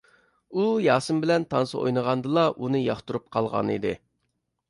ئۇ ياسىن بىلەن تانسا ئوينىغاندىلا ئۇنى ياقتۇرۇپ قالغانىدى.